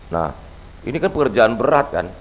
nah ini kan pekerjaan berat kan